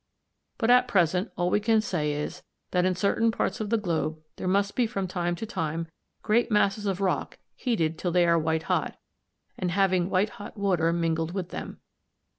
But at present all we can say is, that in certain parts of the globe there must be from time to time great masses of rock heated till they are white hot, and having white hot water mingled with them.